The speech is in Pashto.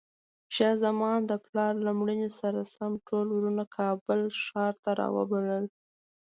شاه زمان د پلار له مړینې سره سم ټول وروڼه کابل ښار ته راوبلل.